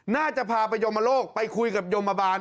น่าจะพาไปยมโลกไปคุยกับโยมบาล